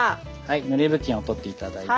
ぬれ布巾を取って頂いて。